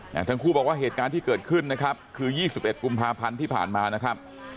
อย่างทั้งคู่บอกว่าเหตุการณ์ที่เกิดขึ้นนะครับคือ๒๑กุมภาพันธ์ที่ผ่านมานะครับ